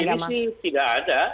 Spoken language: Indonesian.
ini sih tidak ada